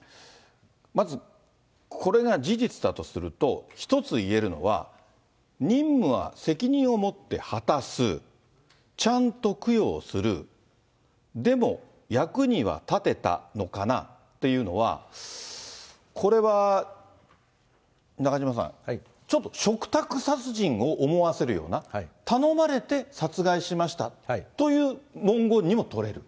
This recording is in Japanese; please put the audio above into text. まず、これが事実だとすると、一つ言えるのは、任務は責任をもって果たす、ちゃんと供養する、でも役には立てたのかなというのは、これは中島さん、ちょっと嘱託殺人を思わせるような、頼まれて殺害しましたという文言にも取れる。